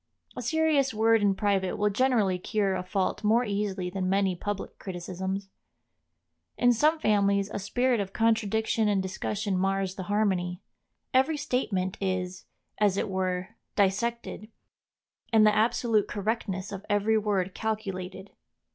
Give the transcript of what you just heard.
A serious word in private will generally cure a fault more easily than many public criticisms. In some families a spirit of contradiction and discussion mars the harmony; every statement is, as it were, dissected, and the absolute correctness of every word calculated.